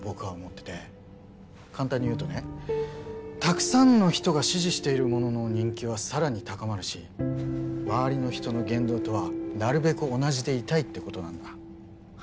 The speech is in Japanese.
簡単に言うとねたくさんの人が支持しているものの人気はさらに高まるし周りの人の言動とはなるべく同じでいたいって事なんだ。